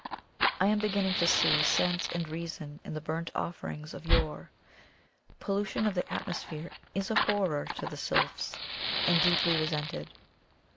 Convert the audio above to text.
I am beginning to see sense and reason in the * burnt offerings' of yore. Pollution of the atmosphere is a horror to the sylphs and deeply resented.